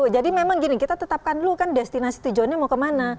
jadi memang gini kita tetapkan dulu kan destinasi tujuannya mau kemana